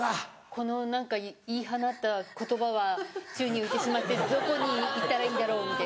この何か言い放った言葉は宙に浮いてしまってどこにいったらいいんだろうみたいになります。